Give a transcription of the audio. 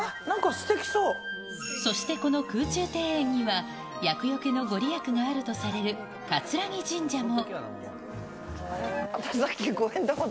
そしてこの空中庭園には、厄よけの御利益があるとされる葛城神社も。